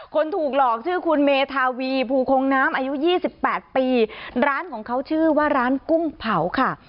คนถูกหลอกชื่อคุณเมธาวีภูคงน้ำอายุยี่สิบแปดปีร้านของเขาชื่อว่าร้านกุ้งเผาค่ะ